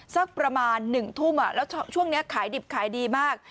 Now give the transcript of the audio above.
สักประมาณ๑ทุ่มแล้วช่วงนี้ขายดิบขายดีมาก